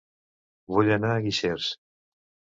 Vull anar a Guixers